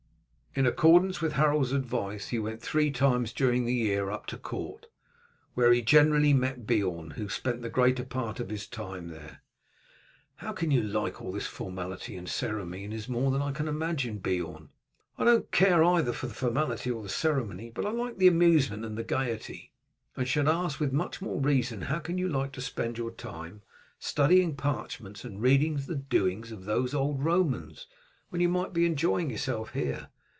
In accordance with Harold's advice he went three times during the year up to court, where he generally met Beorn, who spent the greater part of his time there. "How you can like all this formality and ceremony is more than I can imagine, Beorn." "I don't care either for the formality or the ceremony, but I like the amusement and the gaiety, and should ask with much more reason how can you like to spend your time studying parchments and reading the doings of those old Romans, when you might be enjoying yourself here.